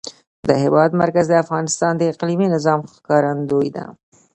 د هېواد مرکز د افغانستان د اقلیمي نظام ښکارندوی ده.